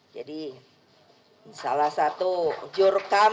jadi salah satu jurkam